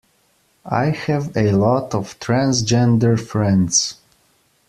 I have a lot of transgender friends